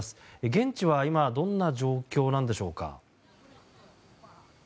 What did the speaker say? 現地は今どんな状況なんでしょうか。